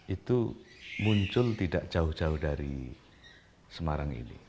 itu muncul tidak jauh jauh dari semarang ini